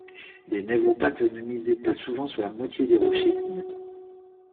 Des névropathes ne misaient pas souvent sur la moitié des rochers clignotants.